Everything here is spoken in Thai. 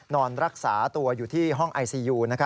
นอนรักษาตัวอยู่ที่ห้องไอซียู